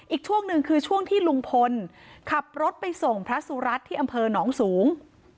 อีกช่วงหนึ่งคือช่วงที่ลุงพลขับรถไปส่งพระสุรัตน์ที่อำเภอหนองสูง